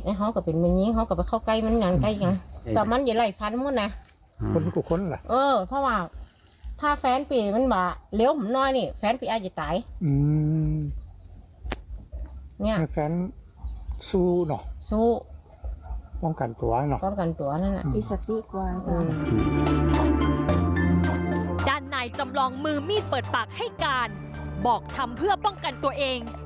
ด้านนายจำลองมือมีดเปิดปากให้การบอกทำเพื่อป้องกันตัวเอง